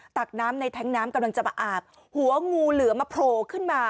ตักน้ำในแท้งน้ำกำลังจะมาอาบหัวงูเหลือมาโผล่ขึ้นมา